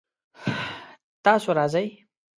تاسو راځئ؟